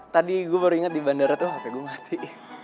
tadi gue baru ingat di bandara tuh hp gue mati